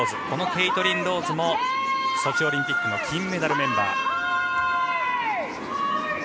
このケイトリン・ローズもソチオリンピックの金メダルメンバー。